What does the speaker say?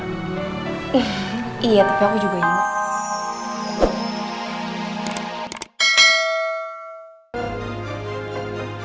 ih iya tapi aku juga ingat